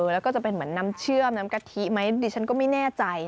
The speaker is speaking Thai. แล้วก็จะเป็นเหมือนน้ำเชื่อมน้ำกะทิไหมดิฉันก็ไม่แน่ใจ